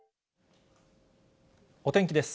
お天気です。